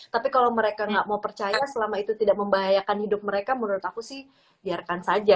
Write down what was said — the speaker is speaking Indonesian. tapi kalau mereka nggak mau percaya selama itu tidak membahayakan hidup mereka menurut aku sih biarkan saja